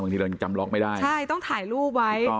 ทีเรายังจำล็อกไม่ได้ใช่ต้องถ่ายรูปไว้